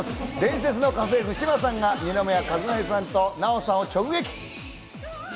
伝説の家政婦・志麻さんが二宮和也さんと奈緒さんを直撃。